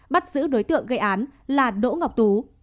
bắt giữ đối tượng gây án là đỗ ngọc tú